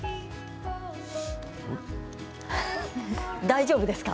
大丈夫ですか？